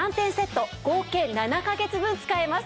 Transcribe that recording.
合計７カ月分使えます。